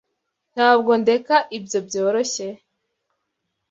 Ntabwo ndeka ibyo byoroshye.